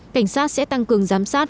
cảnh sát sẽ tăng cường giám sát